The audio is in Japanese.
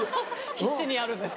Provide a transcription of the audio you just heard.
必死にやるんです